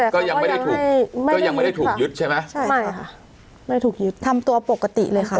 ก็ยังไม่ได้ถูกยึดใช่ไหมไม่ค่ะไม่ถูกยึดทำตัวปกติเลยค่ะ